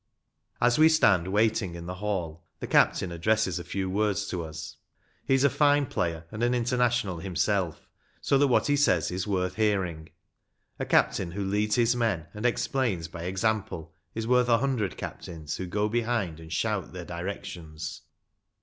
As we stand waiting in the hall, the captain addresses a few words to us. He is a fine player, and an International himself, so that what he says is worth hearing. A captain who leads his men and explains by example is worth a hundred captains who go behind and shout their direc tions.